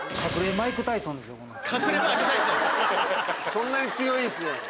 そんなに強いんすね。